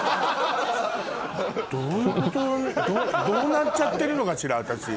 どうなっちゃってるのかしら私。